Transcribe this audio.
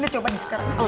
bisa coba di sekarang